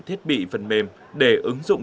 thiết bị phần mềm để ứng dụng